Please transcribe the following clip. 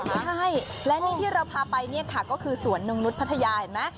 ใช่แล้วนี่ที่เราพาไปก็คือสวนโหนกนุ้ดภัทยาเห็นมั้ย